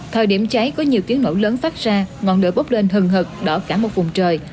thời điểm cháy có nhiều tiếng nổ lớn phát ra ngọn lửa bốc lên hần hực đỏ cả một vùng trời